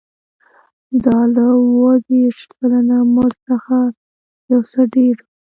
دا له اووه دېرش سلنه مزد څخه یو څه ډېر و